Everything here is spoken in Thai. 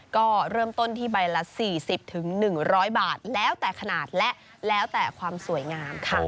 ก็เริ่มต้นที่ใบละสี่สิบถึงหนึ่งร้อยบาทแล้วแต่ขนาดและแล้วแต่ความสวยงามค่ะ